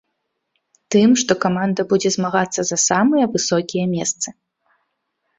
Тым, што каманда будзе змагацца за самыя высокія месцы.